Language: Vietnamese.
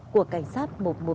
của cảnh sát một trăm một mươi ba